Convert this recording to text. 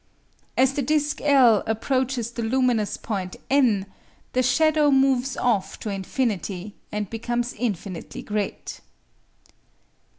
As the disc L approaches the luminous point N, the shadow moves off to infinity, and becomes infinitely great.